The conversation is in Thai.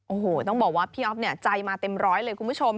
โอ้โหต้องบอกว่าพี่อ๊อฟเนี่ยใจมาเต็มร้อยเลยคุณผู้ชม